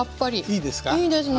いいですね！